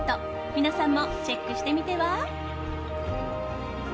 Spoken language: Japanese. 皆さんもチェックしてみては？